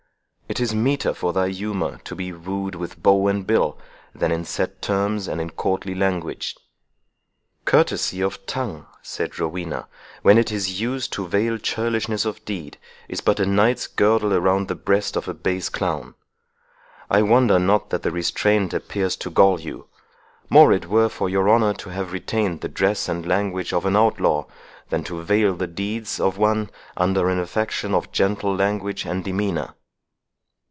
It is meeter for thy humour to be wooed with bow and bill, than in set terms, and in courtly language." "Courtesy of tongue," said Rowena, "when it is used to veil churlishness of deed, is but a knight's girdle around the breast of a base clown. I wonder not that the restraint appears to gall you—more it were for your honour to have retained the dress and language of an outlaw, than to veil the deeds of one under an affectation of gentle language and demeanour."